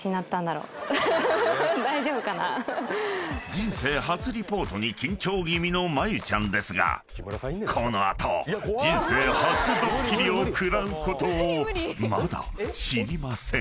［人生初リポートに緊張気味の真由ちゃんですがこの後人生初ドッキリを食らうことをまだ知りません］